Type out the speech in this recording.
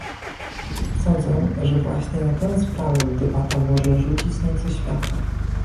Sądzę, że właśnie na tę sprawę debata może rzucić nieco światła